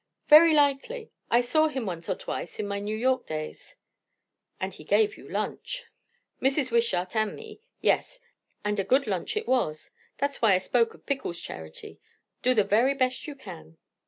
"Very likely. I saw him once or twice in my New York days." "And he gave you lunch." "Mrs. Wishart and me. Yes. And a good lunch it was. That's why I spoke of pickles, Charity. Do the very best you can."